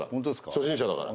初心者だから。